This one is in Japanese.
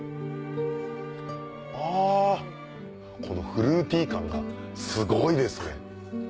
このフルーティー感がすごいですね。